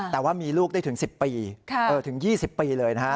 แต่ว่ามีลูกได้ถึง๑๐ปีถึง๒๐ปีเลยนะฮะ